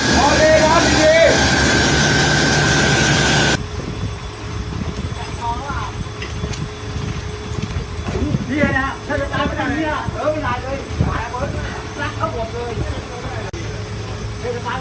พอดีครับสิ่งดี